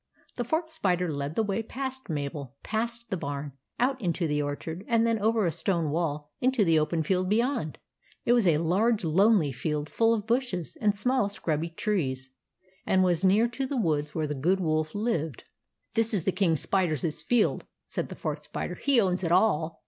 The Fourth Spider led the way past Mabel, past the barn, out into the orchard, and then over a stone wall into the open field beyond. It was a large lonely field full of bushes and small scrubby trees, and was near to the woods where the Good Wolf lived. "This is the King Spider's field," said the Fourth Spider. " He owns it all."